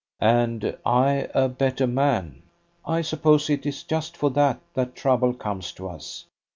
"And I a better man. I suppose it is just for that that trouble comes to us.